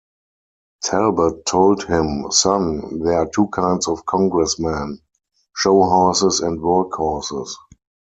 Talbott told him, Son, there are two kinds of Congressmen-show horses and work horses.